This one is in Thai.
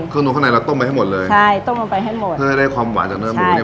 นวข้างในเราต้มไปให้หมดเลยใช่ต้มลงไปให้หมดเพื่อให้ได้ความหวานจากเนื้อหมูเนี้ย